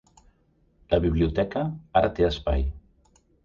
La biblioteca ara té espai.